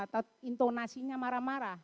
atau intonasinya marah marah